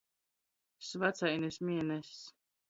Svacainis mieness.